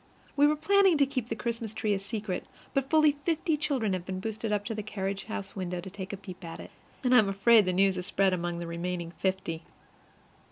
We were planning to keep the Christmas tree a secret, but fully fifty children have been boosted up to the carriage house window to take a peep at it, and I am afraid the news has spread among the remaining fifty.